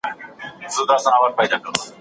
لوستې مور د ماشومانو د پوستکي پاکوالی ساتي.